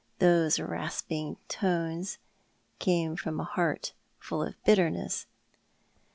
Those rasping tones came from a heart full of bitterness.